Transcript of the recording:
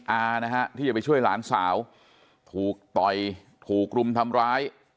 อานะฮะที่จะไปช่วยหลานสาวถูกต่อยถูกรุมทำร้าย